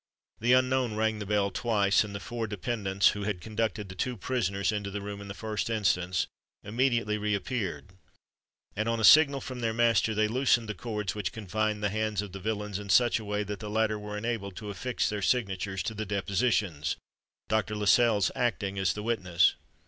The unknown rang the bell twice, and the four dependants who had conducted the two prisoners into the room in the first instance, immediately re appeared; and, on a signal from their master, they loosened the cords which confined the hands of the villains, in such a way that the latter were enabled to affix their signatures to the depositions, Dr. Lascelles acting as the witness.